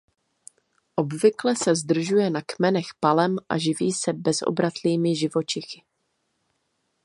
Obvykle se zdržuje na kmenech palem a živí se bezobratlými živočichy.